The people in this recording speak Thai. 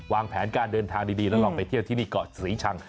วางแผนการเดินทางดีแล้วลองไปเที่ยวที่นี่เกาะศรีชัง